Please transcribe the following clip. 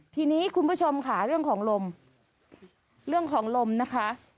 ทีนี้คุณผู้ชมค่ะเรื่องของลมเรื่องของลมนะคะ